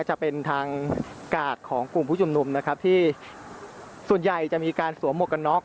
จะเป็นทางกาดของกลุ่มผู้ชุมนุมนะครับที่ส่วนใหญ่จะมีการสวมหมวกกันน็อก